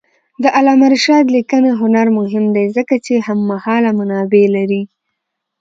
د علامه رشاد لیکنی هنر مهم دی ځکه چې هممهاله منابع لري.